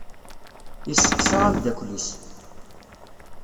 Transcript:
Yesseqsa amdakel-is.